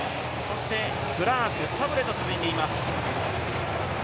クラーク、サブレと続いています。